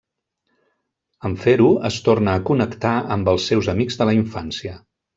En fer-ho, es torna a connectar amb els seus amics de la infància.